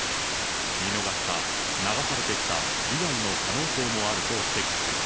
見逃した、流されてきた以外の可能性もあると指摘する。